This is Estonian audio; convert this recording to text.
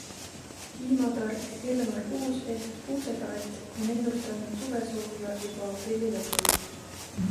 Ilmatark Elmar Kuus ehk Kuuse-taat on ennustanud suvesooja juba aprilli lõpul.